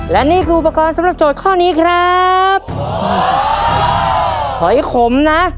และนี่คืออุปกรณ์สำหรับโจทย์ข้อนี้ครับหอยขมนะ